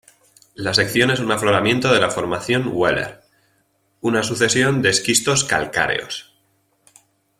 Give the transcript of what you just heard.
La sección es un afloramiento de la Formación Wheeler, una sucesión de esquistos calcáreos.